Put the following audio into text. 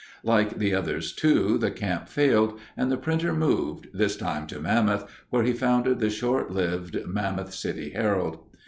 Like the others, too, the camp failed, and the printer moved, this time to Mammoth, where he founded the short lived Mammoth City Herald.